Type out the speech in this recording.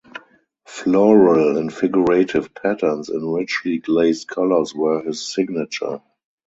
Floral and figurative patterns in richly glazed colours were his signature.